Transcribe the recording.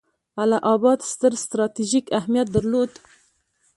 اله اباد ستر ستراتیژیک اهمیت درلود.